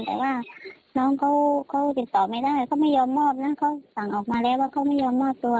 แต่ว่าน้องเขาติดต่อไม่ได้เขาไม่ยอมมอบนะเขาสั่งออกมาแล้วว่าเขาไม่ยอมมอบตัว